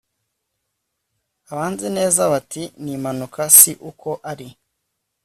abanzi neza bati, ni impanuka si uko ari